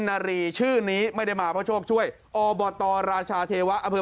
นารีชื่อนี้ไม่ได้มาเพราะโชคช่วยอบตรราชาเทวะอำเภอ